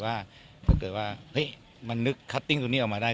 ว่าถ้าเกิดว่าเฮ้ยมันนึกคัตติ้งตัวนี้ออกมาได้